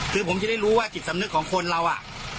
คือผมจะได้รู้ว่าจิตสำนึกของคนเราอ่ะ